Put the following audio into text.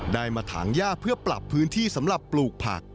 ได้มาถางย่าเพื่อปรับพื้นที่สำหรับปลูกผัก